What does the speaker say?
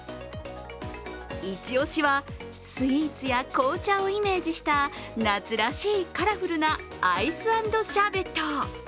イチ押しはスイーツや紅茶をイメージした夏らしいカラフルなアイス＆シャーベット。